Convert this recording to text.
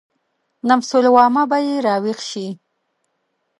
نفس لوامه به يې راويښ شي.